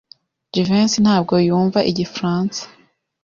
Jivency ntabwo yumva igifaransa.